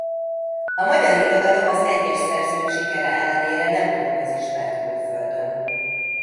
A magyar irodalom az egyes szerzők sikere ellenére nem túl közismert külföldön.